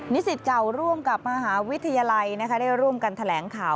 สิทธิ์เก่าร่วมกับมหาวิทยาลัยได้ร่วมกันแถลงข่าว